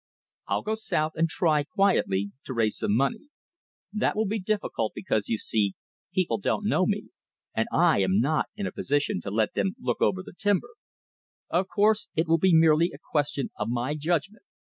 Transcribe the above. "I'll go South and try, quietly, to raise some money. That will be difficult, because, you see, people don't know me; and I am not in a position to let them look over the timber. Of course it will be merely a question of my judgment.